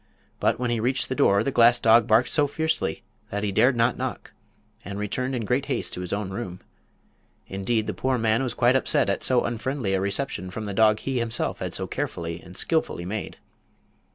But when he reached the door the glass dog barked so fiercely that he dared not knock, and returned in great haste to his own room. Indeed, the poor man was quite upset at so unfriendly a reception from the dog he had himself so carefully and skillfully made.